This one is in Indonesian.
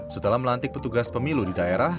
setelah melantik petugas pemilu di daerah